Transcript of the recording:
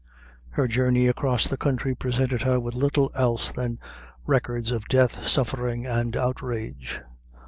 Her journey across the country presented her with little else than records of death, suffering, and outrage.